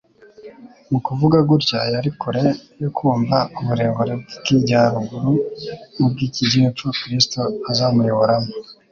Mu kuvuga gutya yari kure yo kumva uburebure bw'ikijyaruguru n'ubw'ikijyepfo Kristo azamuyoboramo.